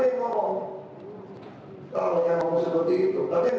apakah yang dimaksud adalah